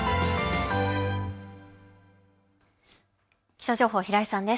気象情報、平井さんです。